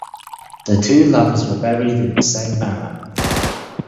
The two lovers were buried in the same barrow.